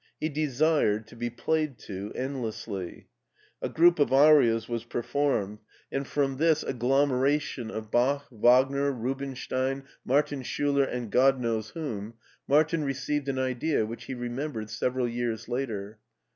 He desired to be played to endlessly. A group of arias was performed, and from this i8o MARTIN SCHULER agglomeration of Bach, Wagner, Rubinstein, Martin Schiiler, and God knows whom, Martin received an idea which he remembered several years later.